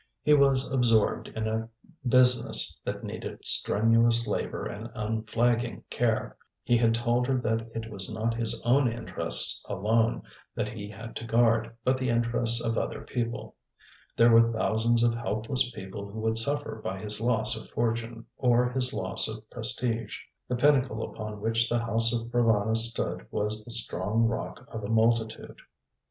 He was absorbed in a business that needed strenuous labour and unflagging care. He had told her that it was not his own interests alone that he had to guard; but the interests of other people. There were thousands of helpless people who would suffer by his loss of fortune, or his loss of prestige. The pinnacle upon which the house of Provana stood was the strong rock of a multitude.